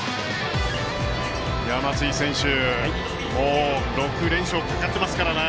松井選手、もう６連勝かかってますからね。